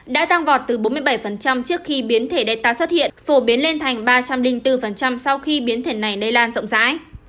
đã tăng vọt từ bốn mươi bảy trước khi biến thể data xuất hiện phổ biến lên thành ba trăm linh bốn sau khi biến thể này lây lan rộng rãi